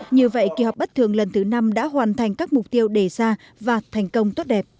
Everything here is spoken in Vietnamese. như vậy kỳ họp bất thường lần thứ năm đã hoàn thành các mục tiêu đề ra và thành công tốt đẹp